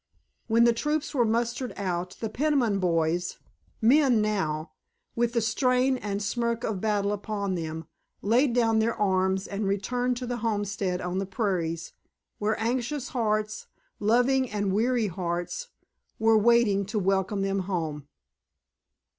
When the troops were mustered out the Peniman boys, men now, with the stain and smirch of battle upon them, laid down their arms and returned to the homestead on the prairies, where anxious hearts, loving and weary hearts, were waiting to welcome them home.